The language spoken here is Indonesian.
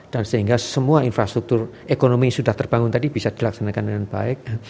dan sehingga semua infrastruktur ekonomi sudah terbangun tadi bisa dilaksanakan dengan baik